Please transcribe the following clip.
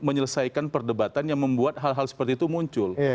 menyelesaikan perdebatan yang membuat hal hal seperti itu muncul